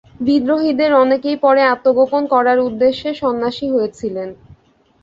বিদ্রোহীদের অনেকেই পরে আত্মগোপন করার উদ্দেশ্যে সন্ন্যাসী হয়েছিলেন।